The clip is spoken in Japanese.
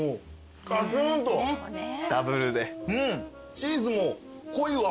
チーズも濃いわ。